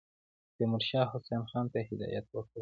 تیمورشاه حسین خان ته هدایت ورکړی وو.